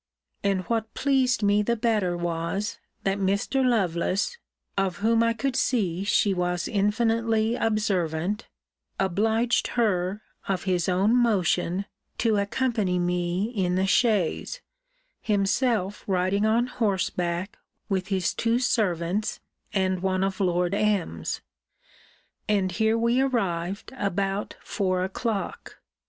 And what pleased me the better, was, that Mr. Lovelace (of whom I could see she was infinitely observant) obliged her, of his own motion, to accompany me in the chaise; himself riding on horseback, with his two servants, and one of Lord M.'s. And here we arrived about four o'clock.